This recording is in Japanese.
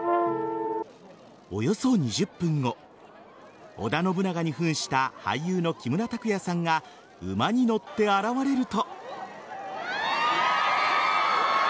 およそ２０分後織田信長に扮した俳優の木村拓哉さんが馬に乗って現れると。